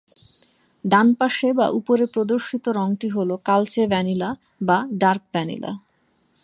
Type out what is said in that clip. ডানপাশে বা উপরে প্রদর্শিত রঙটি হলো কালচে ভ্যানিলা বা ডার্ক ভ্যানিলা।